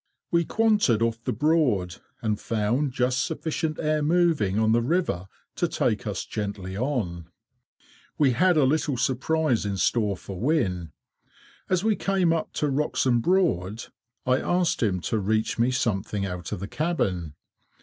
We quanted off the Broad, and found just sufficient air moving on the river to take us gently on. We had a little surprise in store for Wynne. As we came up to Wroxham Broad, I asked him to reach me something out of the cabin.